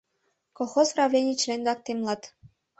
Колхоз правлений член-влак темлат: